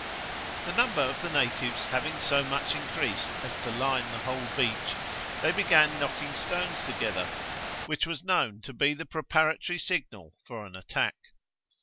The numbers of the natives having so much increased as to line the whole beach, they began knocking stones together, which was known to be the preparatory signal for an attack.